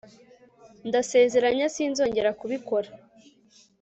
Ndasezeranye Sinzongera kubikora